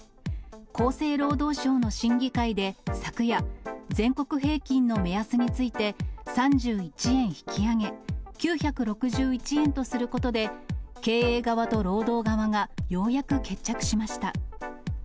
厚生労働省の審議会で昨夜、全国平均の目安について、３１円引き上げ、９６１円とすることで、経営側と労働側がようやく決着しました。